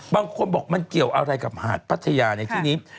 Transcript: บางคนบอกมันเกี่ยวอะไรกับหาดพัทยาในที่นี้